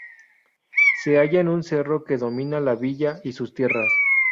Se halla en un cerro que domina la villa y sus tierras.